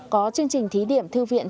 có chương trình thí điểm thư viện